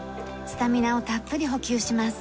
スタミナをたっぷり補給します。